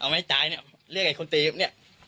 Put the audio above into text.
เอามันให้ตายเนี่ยเรียกไอ้คนเตรียมเนี่ย